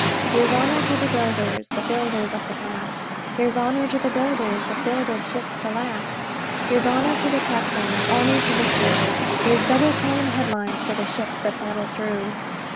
Here's honour to the builders – The builders of the past; Here's honour to the builders That builded ships to last; Here's honour to the captain, And honour to the crew; Here's double column headlines To the ships that battle through.